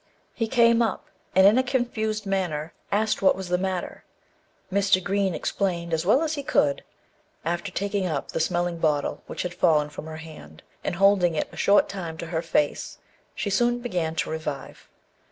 He came up, and, in a confused manner, asked what was the matter. Mr. Green explained as well as he could. After taking up the smelling bottle which had fallen from her hand, and holding it a short time to her face, she soon began to revive.